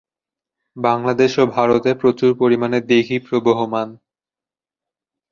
বাংলাদেশ ও ভারতে প্রচুর পরিমানে দিঘি প্রবহমান।